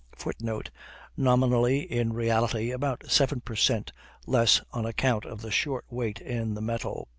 [Footnote: Nominally; in reality about 7 per cent, less on account of the short weight in the metal.